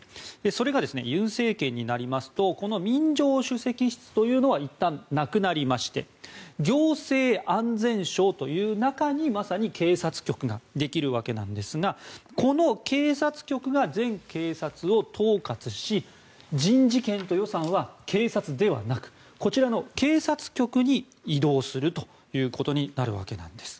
それが尹政権になりますと民情首席室というのはいったん、なくなりまして行政安全省という中にまさに、警察局ができるわけなんですがこの警察局が全警察を統括し人事権と予算は警察ではなく、警察局に移動することになるわけです。